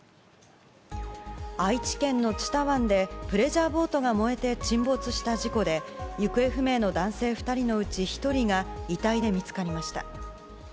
愛知県の知多湾でプレジャーボートが燃えて沈没した事故で行方不明の男性２人のうち１人が遺体で見つかりました。